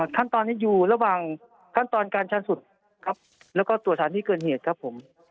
ขั้นตอนนี้อยู่ระหว่างขั้นตอนการชันสุดครับแล้วก็ตรวจสถานที่เกินเหตุครับผม